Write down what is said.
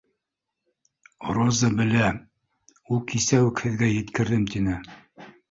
Роза белә, ул, кисә үк һеҙгә еткерҙем, тине